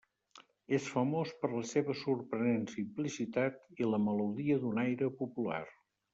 És famós per la seva sorprenent simplicitat i la melodia d'un aire popular.